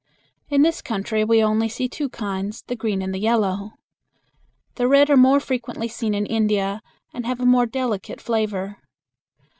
In this country we only see two kinds the green and the yellow. The red are more frequently seen in India, and have a more delicate flavor.